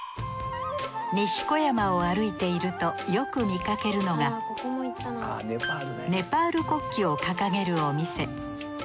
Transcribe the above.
西小山を歩いているとよく見かけるのがネパール国旗を掲げるお店。